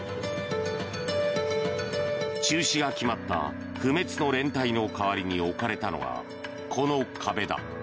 中止が決まった不滅の連隊の代わりに置かれたのがこの壁だ。